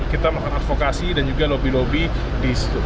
kita akan advokasi dan juga lobby lobby